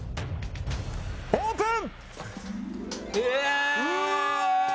オープン！